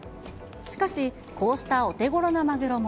しかし、こうしたお手ごろなマグロも。